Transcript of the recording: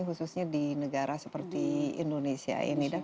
khususnya di negara seperti indonesia ini